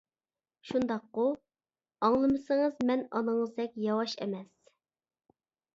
شۇنداققۇ؟ ئاڭلىمىسىڭىز مەن ئانىڭىزدەك ياۋاش ئەمەس.